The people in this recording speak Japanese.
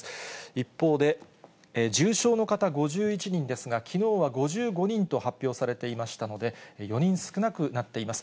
一方で、重症の方５１人ですが、きのうは５５人と発表されていましたので、４人少なくなっています。